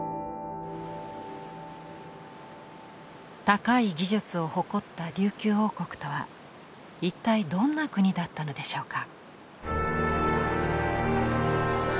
高い技術を誇った琉球王国とは一体どんな国だったのでしょうか。